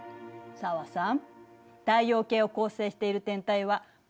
紗和さん